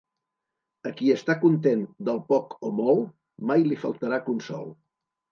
A qui està content del poc o molt, mai li faltarà consol.